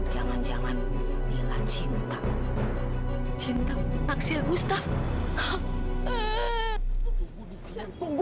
jangan jangan cinta cinta taksir gustaf